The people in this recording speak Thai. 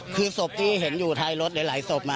คือศพที่เห็นอยู่ท้ายรถหลายศพมา